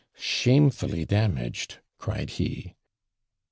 'Shamefully damaged!' cried he.